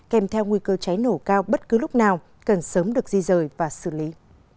kèm theo nguy cơ cháy nổ cao bất cứ lúc nào cần sớm được di rời và xử lý